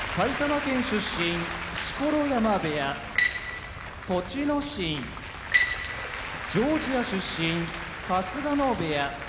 錣山部屋栃ノ心ジョージア出身春日野部屋